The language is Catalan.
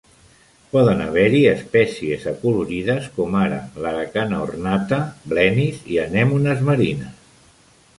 Poden haver-hi espècies acolorides, com ara l'Aracana ornata, blenis i anemones marines.